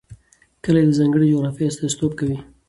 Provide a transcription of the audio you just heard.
کلي د ځانګړې جغرافیې استازیتوب کوي.